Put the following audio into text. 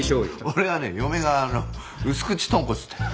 俺はね嫁が薄口とんこつって。